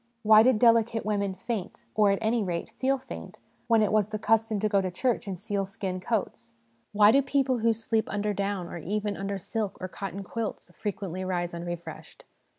Why did delicate women faint, or, at any rate, 'feel faint,' when it was the custom to go to church in sealskin coats ? Why do people who sleep under down, or even under silk or cotton quilts, frequently rise un refreshed